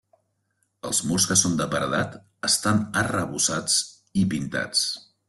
Els murs que són de paredat estan arrebossats i pintats.